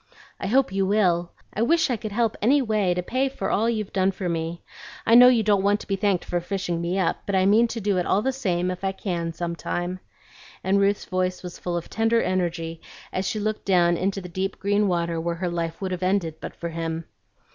"I hope you will. I wish I could help anyway to pay for all you've done for me. I know you don't want to be thanked for fishing me up, but I mean to do it all the same, if I can, some time;" and Ruth's voice was full of tender energy as she looked down into the deep green water where her life would have ended but for him.